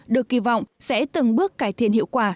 được kỳ vọng sẽ từng bước cải thiện hiệu quả